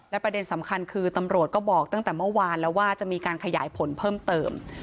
ประเด็นสำคัญคือตำรวจก็บอกตั้งแต่เมื่อวานแล้วว่าจะมีการขยายผลเพิ่มเติม